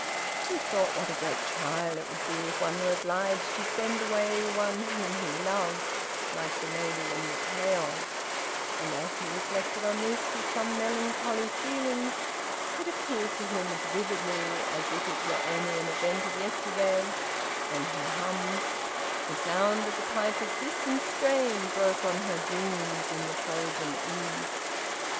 He thought what a great trial it would be if one were obliged to send away one whom he loved, like the lady in the tale, and as he reflected on this, with some melancholy feelings, it appeared to him as vividly as if it were only an event of yesterday, and he hummed: "The sound of the piper's distant strain Broke on her dreams in the frozen eve."